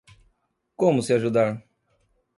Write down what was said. Como se ajudar?